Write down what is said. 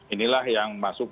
inilah yang masuk